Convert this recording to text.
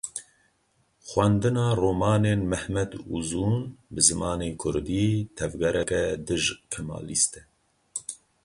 Xwendina romanên Mehmed Ûzûn bi zimanê kurdî, tevgereke dij-Kemalîst e.